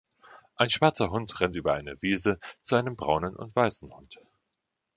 Ein schwarzer Hund rennt über eine Wiese zu einem braunen und weißen Hund.